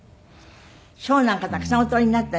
賞なんかたくさんお取りになったでしょ？